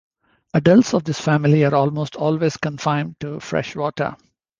Adults of this family are almost always confined to fresh water.